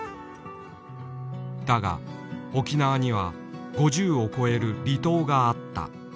だが沖縄には５０を超える離島があった。